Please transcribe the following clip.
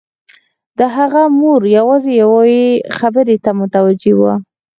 د هغه مور يوازې يوې خبرې ته متوجه وه.